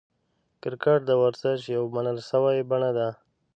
کرکټ د ورزش یوه منل سوې بڼه ده.